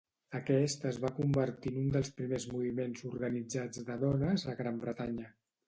Aquest es va convertir en un dels primers moviments organitzats de dones a Gran Bretanya.